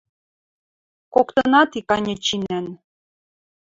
Коктынат иканьы чинӓн